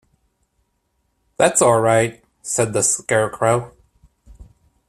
"That's all right," said the Scarecrow.